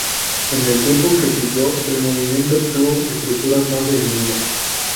En el tiempo que siguió, el movimiento obtuvo estructuras más definidas.